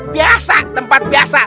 biasa tempat biasa